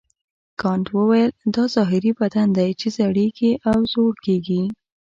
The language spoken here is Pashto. کانت وویل دا ظاهري بدن دی چې زړیږي او زوړ کیږي.